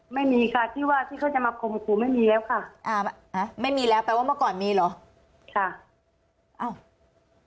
ไม่มีค่ะที่ว่าที่เขาจะมาข่มขู่ไม่มีแล้วค่ะอ่าไม่มีแล้วแปลว่าเมื่อก่อนมีเหรอค่ะอ้าว